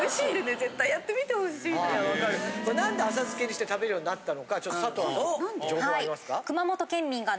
なんで浅漬けにして食べるようになったのかちょっと佐藤アナ